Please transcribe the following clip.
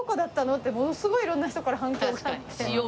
ってものすごい色んな人から反響があって。